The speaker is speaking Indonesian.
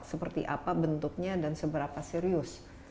seperti apa bentuknya dan seberapa serius